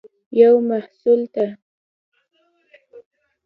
یو محصول ته